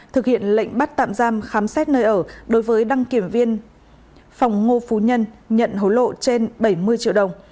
thực hiện lệnh bắt tạm giam khám xét nơi ở đối với đăng kiểm viên phòng ngô phú nhân nhận hối lộ trên bảy mươi triệu đồng